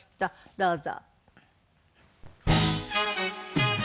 どうぞ。